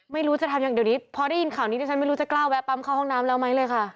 ไม่รู้จะทำอย่างเดี๋ยวนี้พอได้ยินข่าวนี้ดิฉันไม่รู้จะกล้าแวะปั๊มเข้าห้องน้ำแล้วไหมเลยค่ะ